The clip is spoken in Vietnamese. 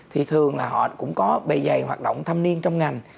thì thường là họ cũng có bề dày hoạt động thanh niên trong ngành